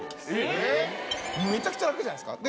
めちゃくちゃ楽じゃないですか。